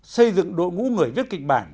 xây dựng đội ngũ người viết kịch bản